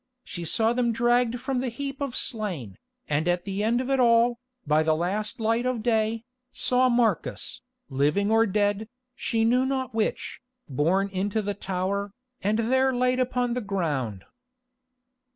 She saw them dragged from the heap of slain, and at the end of it all, by the last light of day, saw Marcus, living or dead, she knew not which, borne into the tower, and there laid upon the ground.